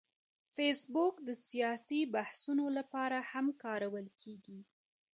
فېسبوک د سیاسي بحثونو لپاره هم کارول کېږي